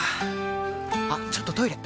あっちょっとトイレ！